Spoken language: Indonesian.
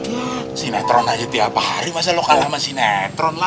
ini sinetron aja tiap hari masa lo kalah sama sinetron lah